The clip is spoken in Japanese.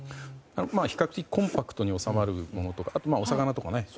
比較的コンパクトに収まるものとかあとはお魚とか。